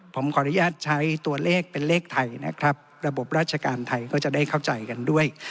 ผมขออนุญาตใช้ตัวเลขเป็นเลขไทยนะครับระบบราชการไทยก็จะได้เข้าใจกันด้วย